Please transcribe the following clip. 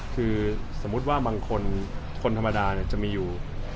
คือสมมุติว่าบางคนคนธรรมดาเนี่ยจะมีอยู่๑๕๐๐